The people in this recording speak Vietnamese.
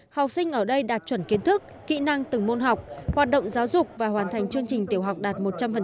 học sinh ở đây đạt chuẩn kiến thức kỹ năng từng môn học hoạt động giáo dục và hoàn thành chương trình tiểu học đạt một trăm linh